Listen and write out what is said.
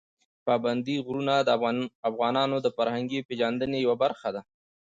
پابندي غرونه د افغانانو د فرهنګي پیژندنې یوه برخه ده.